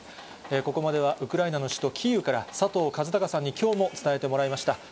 ここまでは、ウクライナの首都キーウから、佐藤和孝さんに、きょうも伝えてもらいました。